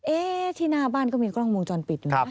ที่หน้าบ้านก็มีกล้องวงจรปิดอยู่นะ